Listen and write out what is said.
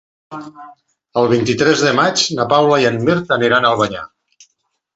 El vint-i-tres de maig na Paula i en Mirt aniran a Albanyà.